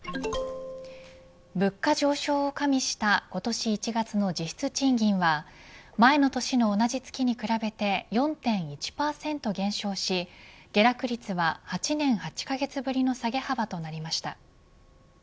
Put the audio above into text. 物価上昇を加味した今年１月の実質賃金は前の年の同じ月に比べて４．１％減少し下落率は８年８カ月ぶりの下げ幅となりました。